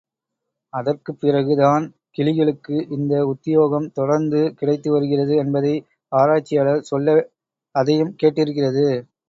அதற்குப் பிறகு தான் கிளிகளுக்கு இந்த உத்தியோகம் தொடர்ந்து கிடைத்து வருகிறது என்பதை ஆராய்ச்சியாளர் சொல்ல அதையும் கேட்டிருக்கிறது.